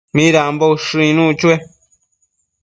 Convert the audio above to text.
¿Midambo ushëc icnuc chue?